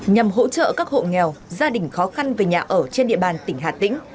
nhằm hỗ trợ các hộ nghèo gia đình khó khăn về nhà ở trên địa bàn tỉnh hà tĩnh